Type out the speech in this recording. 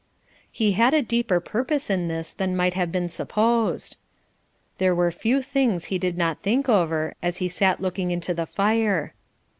He had a deeper purpose in this than might have been supposed. There were few things he did not think over as he sat looking into the fire.